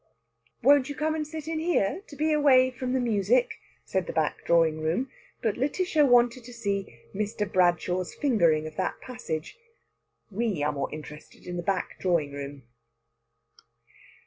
"Won't you come and sit in here, to be away from the music?" said the back drawing room. But Lætitia wanted to see Mr. Bradshaw's fingering of that passage. We are more interested in the back drawing room.